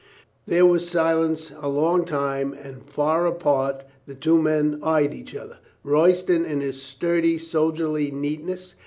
There was silence a long time, and far apart the two men eyed each other, Royston in his sturdy sol dierly neatness.